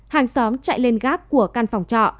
hàng xóm chạy lên gác của căn phòng trọ